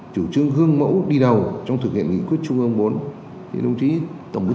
chủ trương gương mẫu đi đầu trong thực hiện nghị quyết chung ương bốn